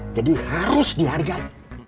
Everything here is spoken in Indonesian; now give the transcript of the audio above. jadi harus dihargai